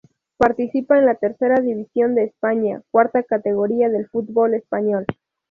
Participa en la Tercera División de España, cuarta categoría del fútbol español.